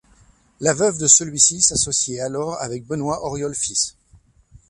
La veuve de celui-ci s'associé alors avec Benoît Oriol fils.